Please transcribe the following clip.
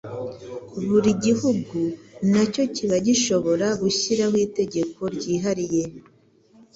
buri gihugu nacyo kiba gishobora gushyiraho itegeko ryihariye